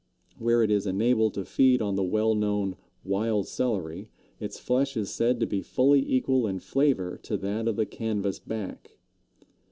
Where it is enabled to feed on the well known wild celery its flesh is said to be fully equal in flavor to that of the Canvas Back.